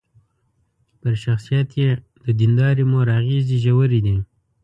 پر شخصيت يې د ديندارې مور اغېزې ژورې دي.